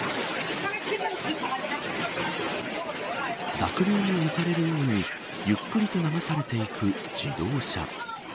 濁流に押されるようにゆっくりと流されていく自動車。